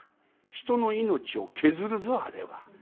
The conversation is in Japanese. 人の命を削るぞあれは。